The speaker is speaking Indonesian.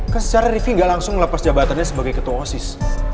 kan secara revie gak langsung melepas jabatannya sebagai ketua osis